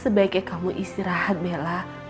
sebaiknya kamu istirahat bella